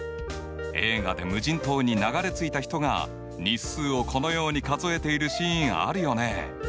映画で無人島に流れ着いた人が日数をこのように数えているシーンあるよね。